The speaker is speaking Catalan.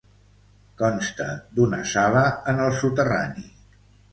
Consta d'una sala en el soterrani.